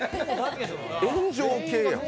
炎上系や。